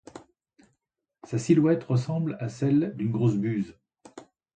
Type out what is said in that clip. Sa silhouette ressemble à celle d'une grosse buse.